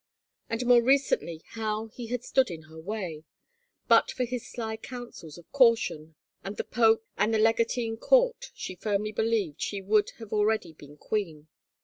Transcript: And more recently how he had stood in her way ! But for his sly counsels of caution, and the pope, and the legatine court, she firmly believed she would already have 226 HOPE DEFERRED been queen.